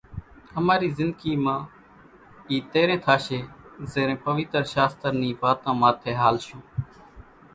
اماري زندگي مان اِي تيرين ٿاشي زيرين پويتر شاستر ني واتان ماٿي ھالشون